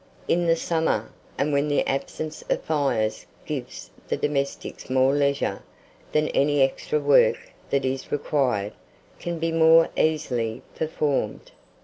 In the summer, and when the absence of fires gives the domestics more leisure, then any extra work that is required, can be more easily performed.